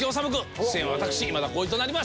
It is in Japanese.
出演は私今田耕司となります。